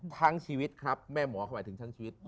ทั้งชีวิตครับแม่หมอเขาหมายถึงทั้งชีวิต